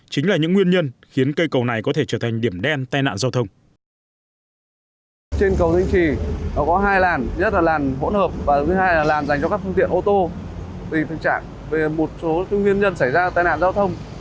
chính là những nguyên nhân khiến cây cầu này có thể trở thành điểm đen tai nạn giao thông